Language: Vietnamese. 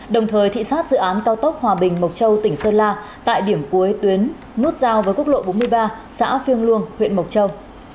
đồng thời thị sát dự án cao tốc hòa bình mộc châu tỉnh sơn la tại điểm cuối tuyến nút giao với quốc lộ bốn mươi ba xã phiêng luông huyện mộc châu